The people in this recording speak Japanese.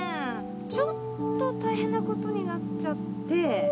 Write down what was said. ちょっと大変なことになっちゃって。